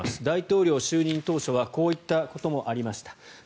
大統領就任当初はこういったこともありました。